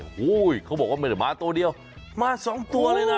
โอ้โหเขาบอกว่าไม่ได้มาตัวเดียวมาสองตัวเลยนะ